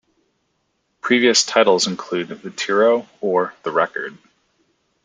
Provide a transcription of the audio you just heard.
Previous titles include The Tyro or The Record.